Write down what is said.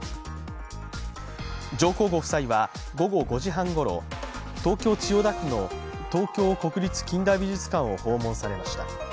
上皇ご夫妻は午後５時半ごろ、東京・千代田区の東京国立近代美術館を訪問されました。